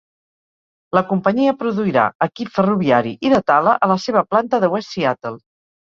La companyia produirà equip ferroviari i de tala a la seva planta de West Seattle.